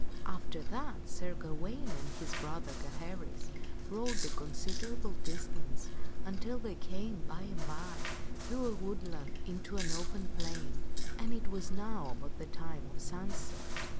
After that Sir Gawaine and his brother, Gaheris, rode a considerable distance until they came, by and by, through a woodland into an open plain, and it was now about the time of sunset.